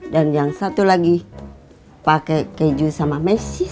dan yang satu lagi pake keju sama mesis